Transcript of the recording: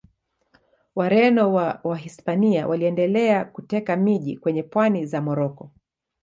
Wareno wa Wahispania waliendelea kuteka miji kwenye pwani za Moroko.